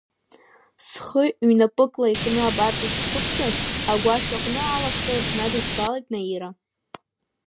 Схы ҩнапыкла икны абарҵа сшықәтәаз, агәашә аҟны алашара днадызбалеит Наира.